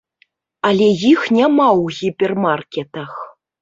Але іх няма ў гіпермаркетах!